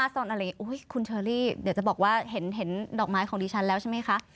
ต้องเชอรี่แล้วล่ะ